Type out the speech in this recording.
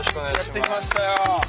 やって来ましたよ。